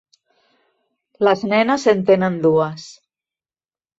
Les nenes en tenen dues.